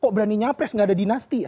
kok berani nyapres gak ada dinasti ya